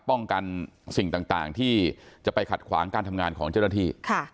ป้องกันสิ่งต่างที่จะไปขัดขวางการทำงานของเจ้าหน้าที่